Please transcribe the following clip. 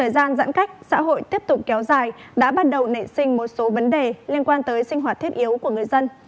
giãn cách xã hội tiếp tục kéo dài đã bắt đầu nệ sinh một số vấn đề liên quan tới sinh hoạt thiết yếu của người dân